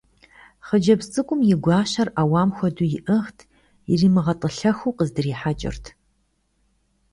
Хъыджэбз цӏыкӏум и гуащэр ӏэуам хуэдэу иӏыгът, иримыгъэтӏылъэху къыздрихьэкӏырт.